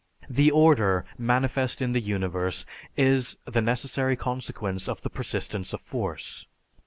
The order manifest in the universe is the necessary consequence of the persistence of force.